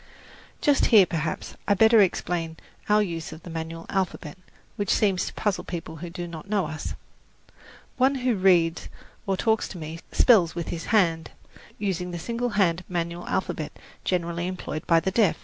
Just here, perhaps, I had better explain our use of the manual alphabet, which seems to puzzle people who do not know us. One who reads or talks to me spells with his hand, using the single hand manual alphabet generally employed by the deaf.